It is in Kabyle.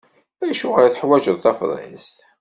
Acuɣer i teḥwaǧeḍ tafḍist?